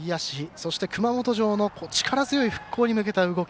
そして、熊本城の力強い復興に向けた動き。